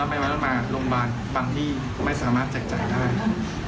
ไม่ต้องมาโรงพยาบาลบางที่ไม่สามารถแจกจ่ายได้